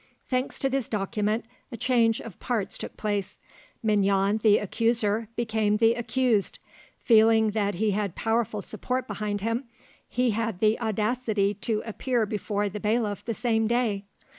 Thanks to this document, a change of parts took place: Mignon, the accuser, became the accused. Feeling that he had powerful support behind him, he had the audacity to appear before the bailiff the same day.